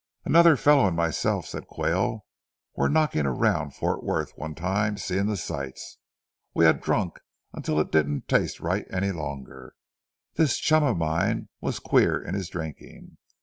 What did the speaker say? "Another fellow and myself," said Quayle, "were knocking around Fort Worth one time seeing the sights. We had drunk until it didn't taste right any longer. This chum of mine was queer in his drinking.